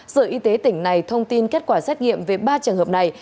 sở y tế tỉnh này thông tin kết quả xét nghiệm về ba trường hợp này